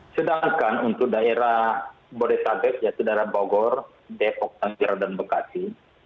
sedangkan untuk daerah bodetabek yaitu daerah bogor depok tanjaro dan bekasi